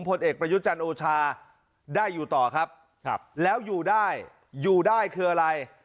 ผลเอกประยุจันทร์โอชาได้อยู่ต่อครับแล้วอยู่ได้อยู่ได้คืออะไร